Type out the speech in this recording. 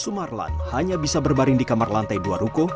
sumarlan hanya bisa berbaring di kamar lantai dua ruko